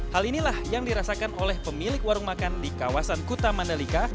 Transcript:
hal inilah yang dirasakan oleh pemilik warung makan di kawasan kuta mandalika